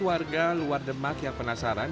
warga luar demak yang penasaran